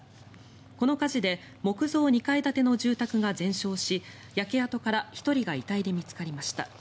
この火事で木造２階建ての住宅が全焼し焼け跡から１人が遺体で見つかりました。